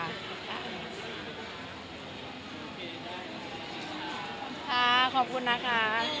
ค่ะขอบคุณนะคะ